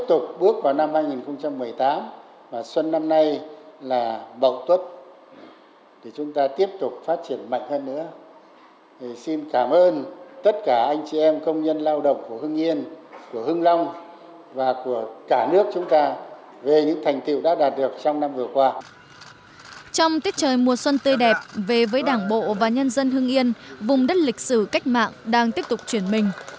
trong tiết trời mùa xuân tươi đẹp về với đảng bộ và nhân dân hưng yên vùng đất lịch sử cách mạng đang tiếp tục chuyển mình